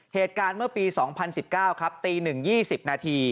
เหตุการณ์เมื่อปี๒๐๑๙ครับตี๑๒๐นาที